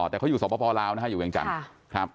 แต่เขาอยู่สมพพลาวนะฮะอยู่เวียงจัง